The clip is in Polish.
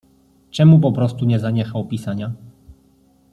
"Czemu poprostu nie zaniechał pisania?"